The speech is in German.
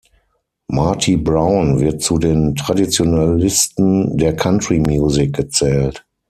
Marty Brown wird zu den Traditionalisten der Country Musik gezählt.